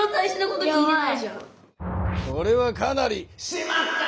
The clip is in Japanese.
これはかなり「しまった！」